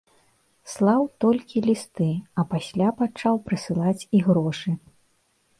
Слаў толькі лісты, а пасля пачаў прысылаць і грошы.